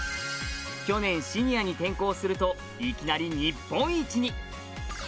去年、シニアに転向するといきなり日本一に！